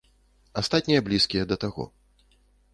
Астатнія блізкія да таго.